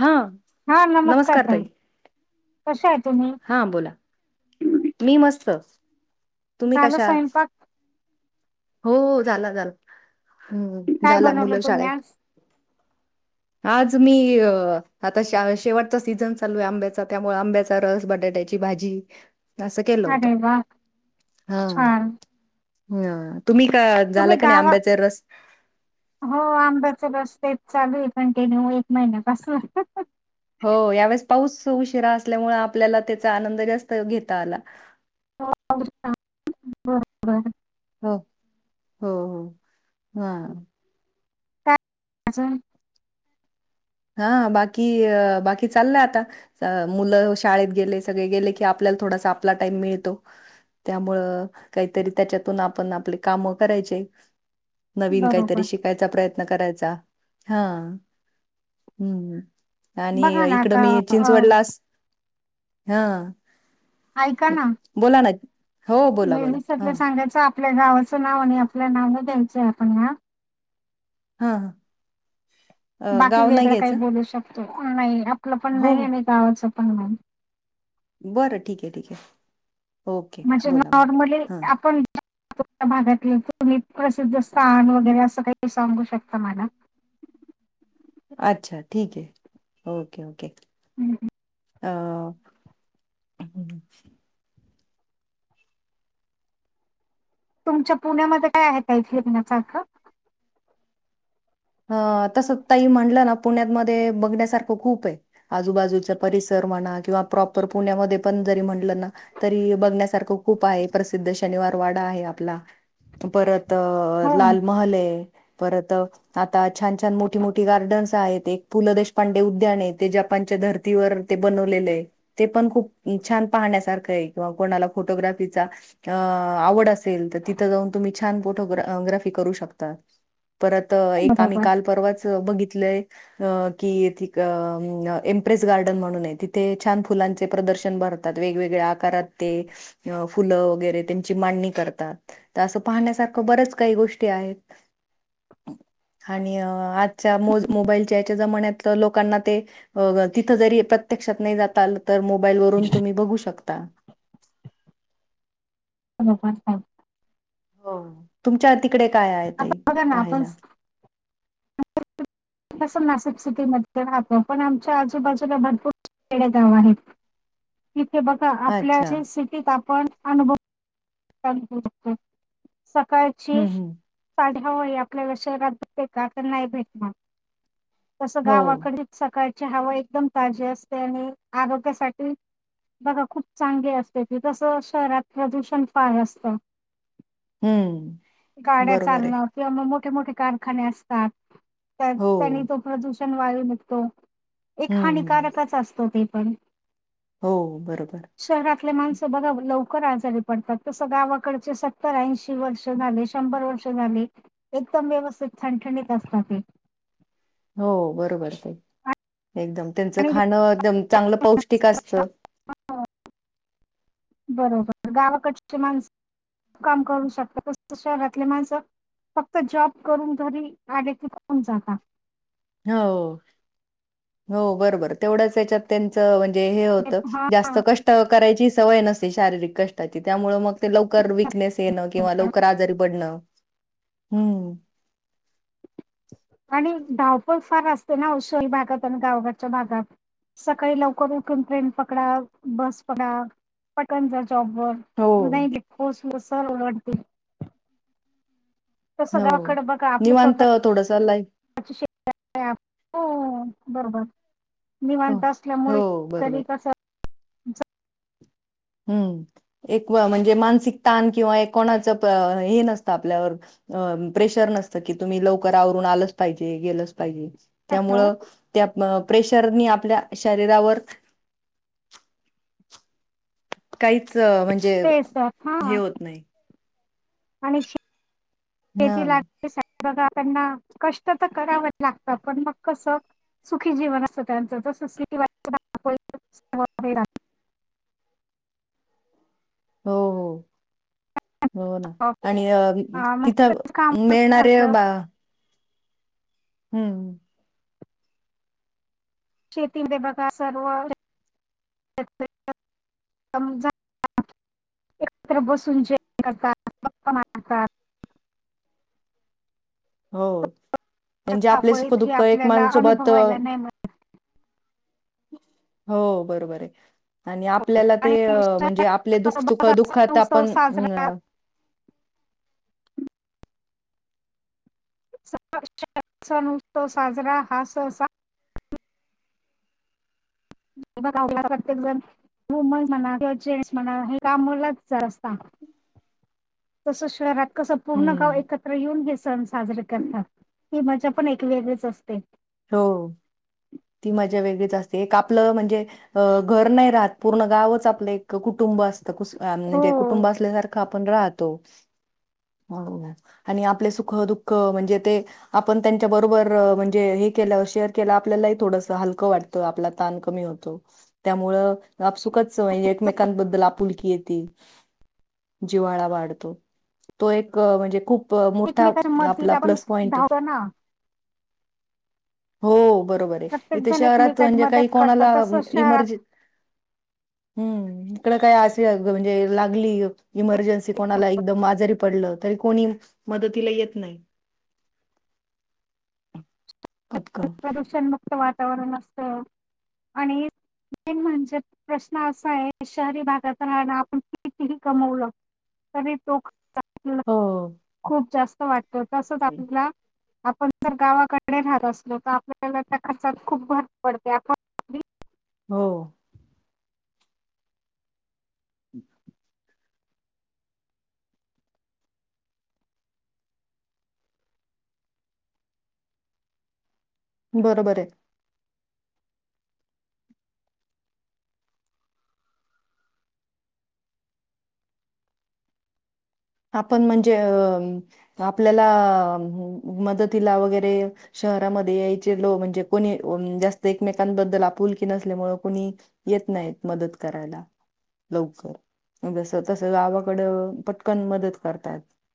हा हा नमस्कार ताई कशा आहे तुम्ही? हा बोला मी मस्त तुम्ही झालं कशा आहात स्वयंपाक हो झाला झाला हम् काय झाला बनवलं मुलं तुम्ही शाळेत आज? आज मी आता शेवटचा सीझन चालू आहे आंब्याचा त्यामुळे आंब्याचा रस बटाट्या भाजी अस केलं होत अरे वाह! हा छान. ह तुम्ही का झालं तुम्ही का नाही गावा आंब्याचे रस हो आंब्याचा रस तेच चालू आहे कंटिन्यू एक महिन्यापासून हो यावेेळेस पाऊस उशिरा असल्यामुळे आपल्याला त्याचा आनंद जास्त घेता आला हो न बरोबर हो हो हो हा अचछ हा बाकी बाकी चाललंय आता मुलं शाळेत गेले सगळे गेले की आपल आपल्याला थोडा आपला टाईम मिळतो. त्यामुळं काहीतरी त्याच्यातून आपण आपले काम करायचे. नवीन बरोबर. काहीतरी शिकायचा प्रयत्न करायचा हा. हम्म आणि बघा ना इकडं आता मी अ, चिंचवडलाच असते हा. ऐका ना. हो, बोला, बोला. लेडी हां, आपल्या सांगायच. आपल्या गावाचं नाव आणि आपल्या नाव द्यायचंय आपण ह. हा ह. बाकी वेगळं काही बोलू शकतो. नाही आपलं पण हो, नाही हो. आणि गावाच पण नाही. बरं ठीक आहे ठीक आहे. ओके. म्हणजे बोला, बोला. नॉर्मली हां, आपण भागातील तुम्ही प्रसिद्ध स्थान वगैरे असं काही सांगू शकता मला [inaudible] अच्छा ठीक आहे ओके ओके. हम्म. ह. तुमच्या पुण्यामध्ये काय आहे इथ फिरण्यासारखं. ह तसं तई म्हणलं ना पुण्यातमध्ये बघण्यासारखं खूप आहे आजूबाजूचा परिसर ना किंवा प्रॉपर पुण्यामध्ये पण जरी म्हणलं ना तरी बघण्यासारखं खूप आहे. प्रसिद्ध श शनिवार वाडा आहे आपला परत. आ हो, लालमहल आहे परत आता छान छान मोठी मोठी गार्डन्स आहेत. पु ल देशपांडे उद्यान आहे ते जपानच्या धरतीवर ते बनवलेले आहे ते पण खूप छान. पाहण्यासारखा आहे तर कोणाला फोटोग्राफीचा आवड असेल तर तिथे जाऊन तुम्ही छान. फोटो ग्राफ ग्राफिक करू शकता. परत एक आम्ही बरोबर, काल परवाच बघि लय की? इम्प्रेस गार्डन म्हणूनये तिथे छान फुलांचे प्रद प्रदर्शन भरतात वेगवेगळ्या आकारात ते फुल वैगेरे त्यांची मांडणी करतात. त्याच अस पाहण्यासारखं बऱ्याच काही गोष्टी आहेत? [inaudible] आणि आजच्या मो.. मोबाईलच्या याच्या जमान्यात त लोकांना ते तिथं जरी प्रत्येक जाता आलं तर? मोबाईल वून तुम्ही बघू शकता. [unintelligible] हो. तुमच्या तिकडे काय आहे? ते आता बघा ना आपण पाहायला? नाशिक सिटी मध्ये राहतो. पण आमच्या आजूबाजूला भरपूर खेडे गाव आहेत. इथे बघा? अच्छा. आपल्या सिटीत आपण अनुभव सकाळची हं, हं. साडे होय. आपल्याला शहरात नाही भेटणार. तस हो. गावाकडेच सकाळ सकाळ ची हवा एकदम ताजी असते आणि आरोग्यासाठी बघा खूप चांगली असते. तसं शहरात प्रदूषण फार असत. हं. गाड्या बरोबर आहे. चालण किंवा मग मोठे मोठे कारखाने असतात. तर हो. त्यांनी तो प्रदूषण वायू निघतो. एक हं. हानिकारकच असतो. ते पण? हो. बरोबर. शहरातले माणसं बघा लवकर आजारी पडतात? तस गावाकडचे सत्तर ऐंशी वर्ष झाले, शंभर वर्ष झाले. एकदम व्यवस्थित ठण ठणीत असता ते. हो बरोबर. एकदम त्यांचं आणि खाण एकदम चांगलं पौष्टिक असतं. हो बरोबर गावाकडची माणस काम करू शकता. तस शहरातली माणस फक्त जॉब करून घरी आले की.. कोण जागा? हो.. हो.. बरोबर तेवढंच याच्यात त्यांच ते हे होत. जास्त हा कष्ट करायची सवय नसते. शारीरिक कष्टाची त्यामुळ लवकर विकनेस येणं किंवा लवकर आजारी पडण? ह्म्म.. आणि धावपळ फार असते ना? उशल भागात आणि गावाकडच्या भागात. सकाळी लवकर उठून ट्रेन पकडा बस पकडा पटन जा स्टॉप वर हो. नाही खोस सर ओरडतील. तस हो. गावाकडे बघा आपली निवांत थोडंसं लाईफ स्वतःची शेती हो.. बरोबर. हो, निवांत असल्यामुळे हो बरोबर. तरी कस? हम्म एक म्हणजे मानसिक ताण किंवा एक कोणाचं हे नसतं आपल्यावर. अ.. प्रेशर नसतं की.. तुम्ही लवकर आवरून आलंच पाहिजे. गेलंच पाहिजे. हॅलो त्यामुळं त्या प्रेशरनी आपल्या शरीरावर काहीच म्हणजे तेच तर हा हे होत नाही. आणि शेती हां. लागते सग बघा त्यांना कष्ट त करावंच लागतं. पण मग कस सुखी जीवन असतं त्यांच. [unintelligible] हो.. हो. हो.. ना आणि अ तिथं मस्तच काम मिळणारे झालं. बा ह्म्म.. शेतीन ते बगा सर्व समझ एकत्र बसून जेवण करतात गप्पा मारतात हो म्हणजे आपले धावपळीत हे सुखदुःख आपल्याला एकमेकाशी सोबत अनुभवायला नाही मिळत हो बरोबर आहे आणि आपल्याला ते आणि म्हणजे शहरात आपले कसं दुखुख दुःखात आपण अ हा सण उत्सव साजरा हा सहसा प्रत्येक जण वुमन्स म्हणा किंवा जेंट्स म्हणा हे कामलाच असत तसच शहरात कसं पूर्ण गाव हं. एकत्र येऊन हे सण साजरे करणार हे मजा पण एक वेगळेच असते हो ती मजा वेगळीच असते एक आपलं म्हणजे घर नाही राहत पूर्ण गावच आपलं एक कुटुंब असत म्हणजे हो. कुटुंब असल्यासारखं आपण राहतो आणि आपले सुख दुःख म्हणजे ते आपण त्यांच्या बरोबर म्हणजे हे शेअर केलं की आपलं पण ताण जारा कमी होते म्हणजे एकमेकांबद्दल आपुलकी येत जिवाळा वाढतो तो एक म्हणजे खूप मोठा एकमेकाच्या आपला मदतीला आपण प्लस पॉईंट आहे धावतो ना हो बरोबर आहे प्रत्येक इथे जण शहरात एकमेकाची म्हणजे काही मदत करतात कोणाला तसं शहरात एमर्जनसी हम्म इकड काय अे म्हणजे लागली इमर्जन्सी कोणाला एकदम आजरी पडलं तरी कोणी मदतीला येत नाही पटकन प्रदूषण मुक्त वातावरण असत आणि मेन म्हणजे प्रश्न असा आहे शहरी भागात राहण आपण कितीही कमवलं तरी तो हो खूप जास्त वाटतो तसच आपला आपण जर गावाकडे राहत असलो तर आपल्याला त्या खर्चात खूप भर पडते आपण हो बरोबर आहे आपण म्हणजे आपल्याला मदतीने वैगरे शहर मध्ये यायचे लो म्हणजे को जास्त एकमेकांबद्ल आपुलकी नसल्यामुळे कोणी कोण नहीं मदत करायला गावाकडे मदत करतात